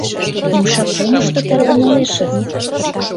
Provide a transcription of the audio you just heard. Умша помышто тарванылешыс.